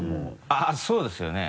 あっそうですよね。